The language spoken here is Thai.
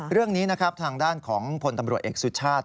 เรื่องนี้นะครับทางด้านของพลตำรวจเอกสุชาติ